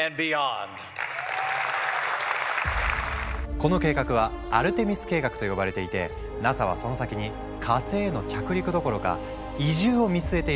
この計画は「アルテミス計画」と呼ばれていてＮＡＳＡはその先に火星への着陸どころか移住を見据えているんだとか。